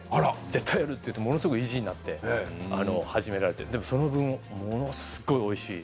絶対やると言ってものすごく意地になって始められてでもその分ものすごいおいしい。